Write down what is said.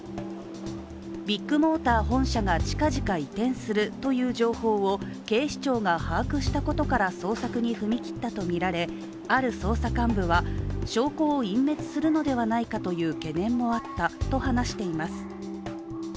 ビッグモーター本社が近々移転するという情報を警視庁が把握したことから捜索に踏み切ったとみられある捜査幹部は証拠を隠滅するのではないかという懸念もあったと話しています。